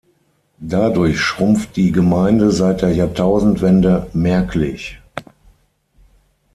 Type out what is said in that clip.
Dadurch schrumpft die Gemeinde seit der Jahrtausendwende merklich.